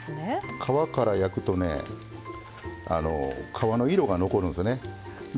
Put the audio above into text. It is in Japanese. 皮から焼くとね皮の色が残るんですよね。